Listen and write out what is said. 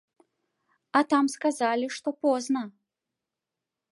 А там сказалі, што позна.